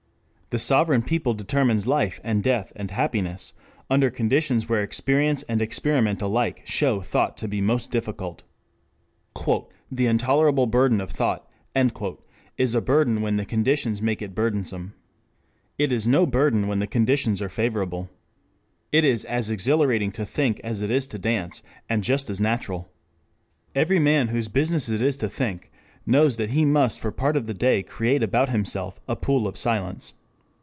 The sovereign people determines life and death and happiness under conditions where experience and experiment alike show thought to be most difficult. "The intolerable burden of thought" is a burden when the conditions make it burdensome. It is no burden when the conditions are favorable. It is as exhilarating to think as it is to dance, and just as natural. Every man whose business it is to think knows that he must for part of the day create about himself a pool of silence.